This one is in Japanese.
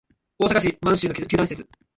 大阪市・舞洲の球団施設